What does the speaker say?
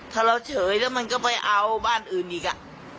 ถ้าเราเฉยแล้วมันก็ไปเอาบ้านอื่นอีกอ่ะ